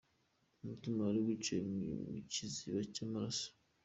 Umutima wari wicaye mu kiziba cy’amaraso.